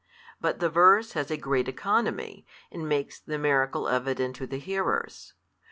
But the verse has a great economy, and makes the miracle evident to the hearers.